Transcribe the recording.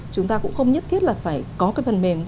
chúng ta cũng không nhất thiết là phải có cái phần mềm